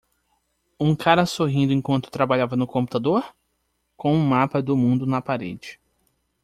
Um cara sorrindo enquanto trabalhava no computador? com um mapa do mundo na parede.